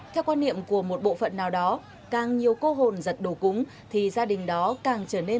theo quan niệm của một bộ phận nào đó càng nhiều cô hồn dật đồ cúng thì gia đình đó càng trở nên tự nhiên